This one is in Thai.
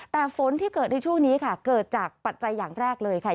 แต่ฝนที่เกิดในช่วงนี้ค่ะเกิดจากปัจจัยอย่างแรกเลยค่ะ